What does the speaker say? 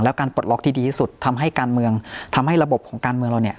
การปลดล็อกที่ดีที่สุดทำให้การเมืองทำให้ระบบของการเมืองเราเนี่ย